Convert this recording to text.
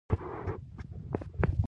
ډېر مهربان وو.